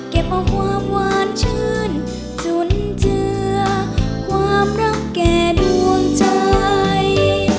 เก็บเอาความหวานชื่นจุนเจือความรักแก่ดวงใจ